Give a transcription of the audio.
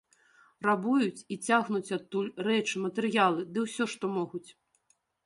Рабуюць і цягнуць адтуль рэчы, матэрыялы, ды ўсё, што могуць.